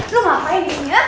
lo ngapain disini ya